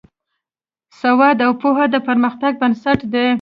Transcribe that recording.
سواد او پوهه د پرمختګ بنسټ دی.